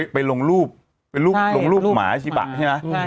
ไปลงรูปลงรูปหมาชิบะใช่ไหม